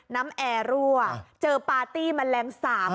น้ำแอลั่วเจอปาร์ตี้มะแรมสาม